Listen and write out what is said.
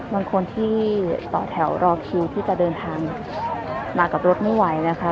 บางคนที่ต่อแถวรอคิวที่จะเดินทางมากับรถไม่ไหวนะคะ